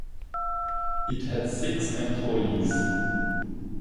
It had six employees.